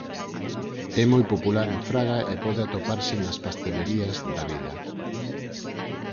É moi popular en Fraga e pode atoparse nas pastelerías da vila.